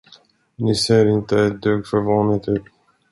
Ni ser inte ett dugg förvånad ut?